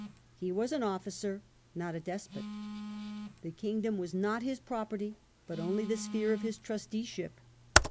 He was an officer, not a despot. The kingdom was not his property, but only the sphere of his trusteeship.